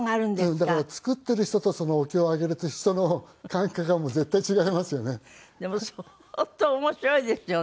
だから作っている人とお経をあげる人の感覚は絶対違いますよね。